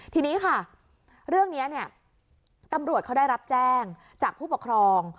ทีนี้ค่ะเรื่องนี้เนี่ยตำรวจเขาได้รับแจ้งจากผู้ปกครอง